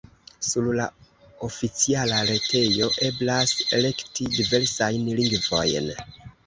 Sur la oficiala retejo eblas elekti diversajn lingvojn.